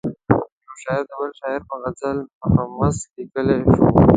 یو شاعر د بل شاعر پر غزل مخمس لیکلای شو.